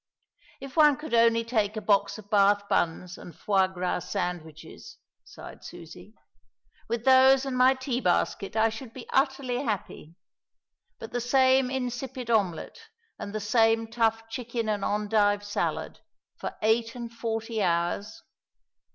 "If one could only take a box of bath buns and foie gras sandwiches!" sighed Susie. "With those and my tea basket I should be utterly happy; but the same insipid omelette, and the same tough chicken and endive salad, for eight and forty hours!